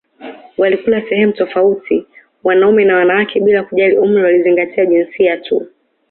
Walikula sehemu tofauti wanaume na wanawake bila kujali umri walizingatia jinsia tu